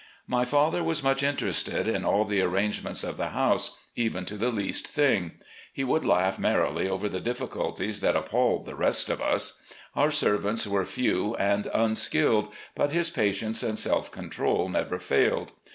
My father was much interested in all the arrangements of the house, even to the least thing. He would laugh merrily over the difficulties that appalled the rest of us. Our servants were few and unskilled, but his patience and self control never failed.